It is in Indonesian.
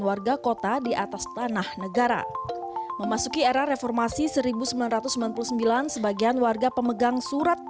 warga kota di atas tanah negara memasuki era reformasi seribu sembilan ratus sembilan puluh sembilan sebagian warga pemegang surat